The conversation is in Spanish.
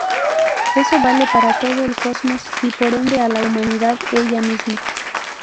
Eso vale para todo el cosmos y por ende a la humanidad ella misma.